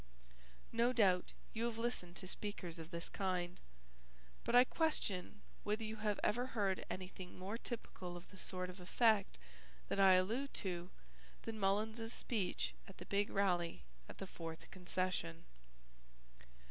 No doubt you have listened to speakers of this kind, but I question whether you have ever heard anything more typical of the sort of effect that I allude to than Mullins's speech at the big rally at the Fourth Concession.